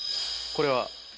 これは？